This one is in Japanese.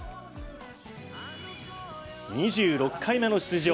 ２６回目の出場